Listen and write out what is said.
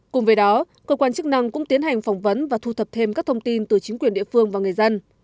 cùng với đó cơ quan chức năng cũng tiến hành phỏng vấn và thu thập thêm các thông tin từ chính quyền địa phương và người dân